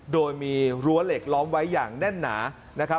โดยมีรั้วเหล็กล้อมไว้อย่างแน่นหนานะครับ